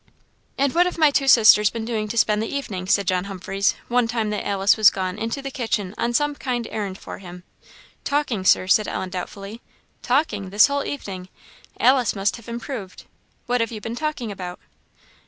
"And what have my two sisters been doing to spend the evening?" said John Humphreys, one time that Alice was gone into the kitchen on some kind errand for him. "Talking, Sir," said Ellen, doubtfully. "Talking! this whole evening? Alice must have improved. What have you been talking about?"